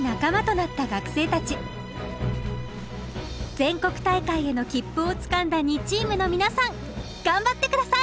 全国大会への切符をつかんだ２チームの皆さん頑張って下さい！